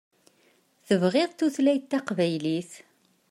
Tebɣiḍ tutlayt taqbaylit.